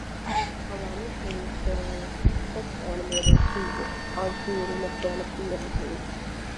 Along with Hayes, there were six animators who worked on creating the fantasy imagery.